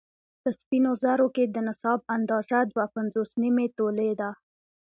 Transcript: په سپينو زرو کې د نصاب اندازه دوه پنځوس نيمې تولې ده